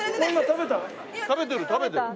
食べてる食べてる。